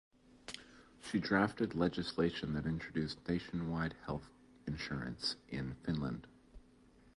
She drafted legislation that introduced nationwide health insurance in Finland.